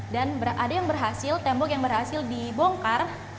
dan ada yang berhasil tembok yang berhasil dibongkar